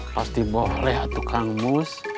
pasti boleh tukang mus